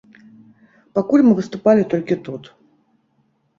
Пакуль мы выступалі толькі тут.